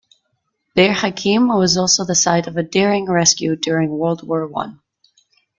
Bir Hakeim was also the site of a daring rescue during World War One.